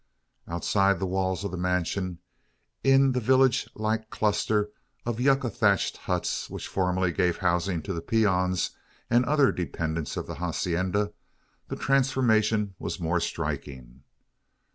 Outside the walls of the mansion in the village like cluster of yucca thatched huts which formerly gave housing to the peons and other dependants of the hacienda the transformation was more striking.